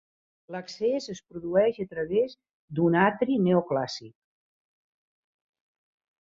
L'accés es produeix a través d'un atri neoclàssic.